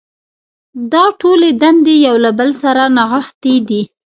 دا ټولې دندې یو له بل سره نغښتې دي.